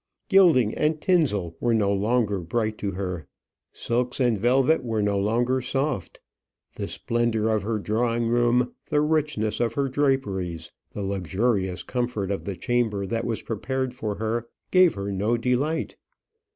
Gilding and tinsel were no longer bright to her, silks and velvet were no longer soft. The splendour of her drawing room, the richness of her draperies, the luxurious comfort of the chamber that was prepared for her, gave her no delight.